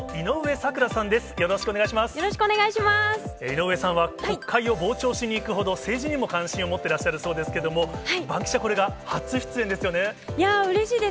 井上さんは国会を傍聴しに行くほど、政治にも関心を持ってらっしゃるそうですけども、バンキいやー、うれしいです。